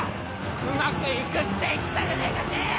うまくいくって言ったじゃねえか信！